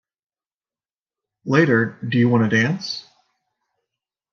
Later, Do You Wanna Dance?